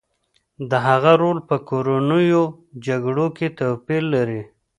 د هغه رول په کورنیو جګړو کې توپیر لري